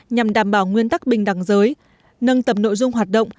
nhằm đảm bảo nguyên tắc bình đẳng giới nâng tập nội dung hoạt động